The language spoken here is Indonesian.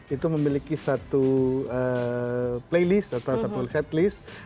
itu memiliki satu playlist atau satu headlist